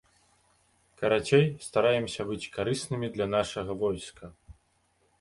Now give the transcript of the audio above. Карацей, стараемся быць карыснымі для нашага войска.